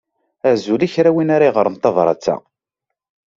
Azul i kra n win ara yeɣren tabrat-a.